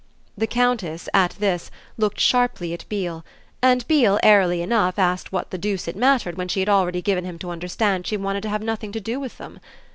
The Countess, at this, looked sharply at Beale, and Beale, airily enough, asked what the deuce it mattered when she had already given him to understand she wanted to have nothing to do with them.